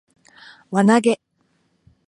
輪投げ